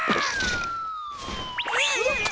うわっ！